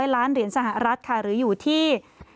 ล้านเหรียญสหรัฐค่ะหรืออยู่ที่